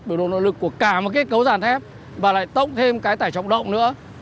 biểu đồ nội lực của cả một kết cấu dàn thép và lại tỗng thêm cái tải trọng động nữa